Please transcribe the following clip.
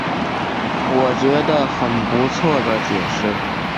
我觉得很不错的解释